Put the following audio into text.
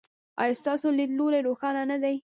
ایا ستاسو لید لوری روښانه نه دی؟